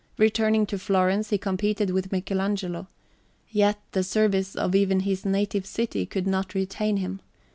Returning to Florence he competed with Michelangelo; yet the service of even his native city could not retain him.